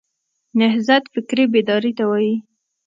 نهضت فکري بیداري ته وایي.